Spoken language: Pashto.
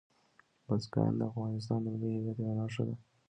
بزګان د افغانستان د ملي هویت یوه نښه ده.